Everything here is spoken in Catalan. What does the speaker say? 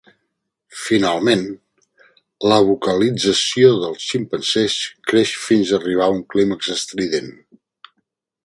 Finalment, la vocalització dels ximpanzés creix fins arribar a un clímax estrident.